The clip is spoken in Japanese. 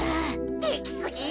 できすぎ！